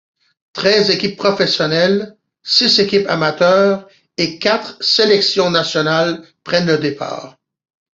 Treize équipes professionnelles, six équipes amateurs et quatre sélections nationales prennent le départ.